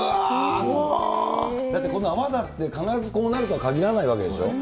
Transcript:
だってこんな泡だって、必ずこうなるとはかぎらないわけでしょ。